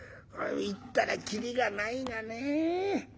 言ったら切りがないがね。